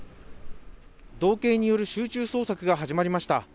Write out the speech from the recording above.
道警による集中捜索が始まりました